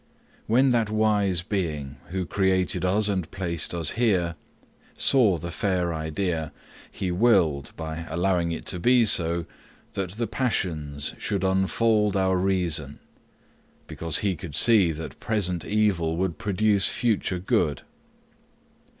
When that wise Being, who created us and placed us here, saw the fair idea, he willed, by allowing it to be so, that the passions should unfold our reason, because he could see that present evil would produce future good.